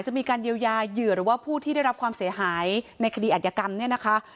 จะมีการเยียวยาเหยื่อหรือว่าผู้ที่ได้รับความเสียหายในคดีอัธยกรรมเนี่ยนะคะ